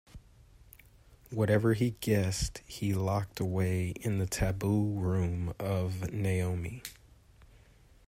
Whatever he guessed he locked away in the taboo room of Naomi.